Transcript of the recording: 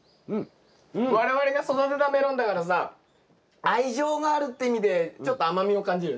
我々が育てたメロンだからさ愛情があるって意味でちょっと甘みを感じるね。